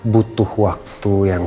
butuh waktu yang